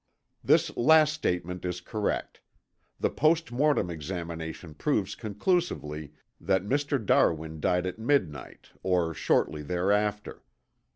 This last statement is correct. The post mortem examination proves conclusively that Mr. Darwin died at midnight or shortly thereafter.